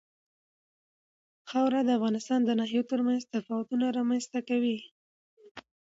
خاوره د افغانستان د ناحیو ترمنځ تفاوتونه رامنځ ته کوي.